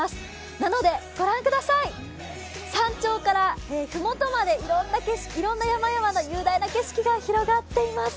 なので、御覧ください、山頂から麓までいろんな雄大な景色が広がっています。